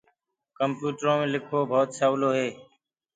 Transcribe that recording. ڪمپيوُٽرو مي لکوو ڀوت سولو هي۔